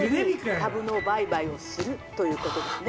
「株の売買をするということですね」。